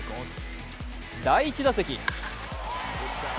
第１打席。